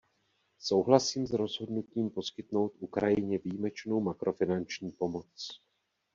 Souhlasím s rozhodnutím poskytnout Ukrajině výjimečnou makrofinanční pomoc.